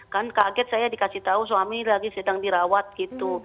kan kaget saya dikasih tahu suami lagi sedang dirawat gitu